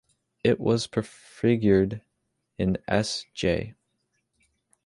It was prefigured in S. J.